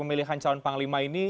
pemilihan calon panglima ini